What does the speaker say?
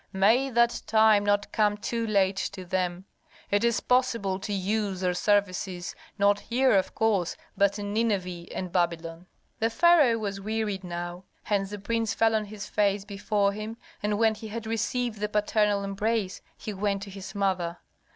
May that time not come too late to them! It is possible to use their services, not here, of course, but in Nineveh and Babylon." The pharaoh was wearied now. Hence the prince fell on his face before him, and when he had received the paternal embrace he went to his mother.